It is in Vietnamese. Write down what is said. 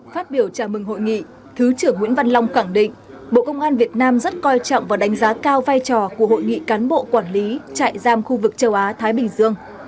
phát biểu chào mừng hội nghị thứ trưởng nguyễn văn long khẳng định bộ công an việt nam rất coi trọng và đánh giá cao vai trò của hội nghị cán bộ quản lý trại giam khu vực châu á thái bình dương